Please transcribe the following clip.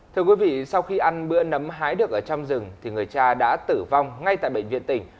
thưa quý vị sau khi ăn bữa nấm hái được ở trong rừng thì người cha đã tử vong ngay tại bệnh viện tỉnh